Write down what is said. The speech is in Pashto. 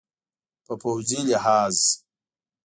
په پوځي لحاظ